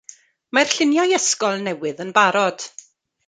Mae'r lluniau ysgol newydd yn barod.